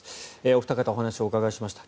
お二方にお話をお伺いしました。